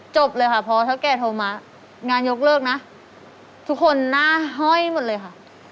จบเลยค่ะพอเท่าแก่โทรมางานยกเลิกนะทุกคนหน้าห้อยหมดเลยค่ะ